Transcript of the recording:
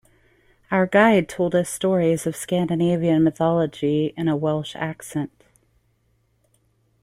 Our guide told us stories of Scandinavian mythology in a Welsh accent.